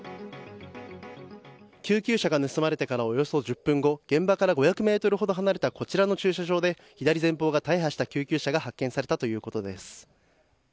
救急車が盗まれてからおよそ１０分後現場から５００ｍほど離れたこちらの駐車場で左前方が大破した救急車が発見されたということです。